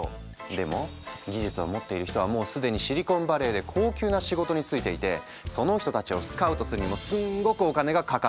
でも技術を持っている人はもう既にシリコンバレーで高級な仕事に就いていてその人たちをスカウトするにもすんごくお金がかかっちゃう。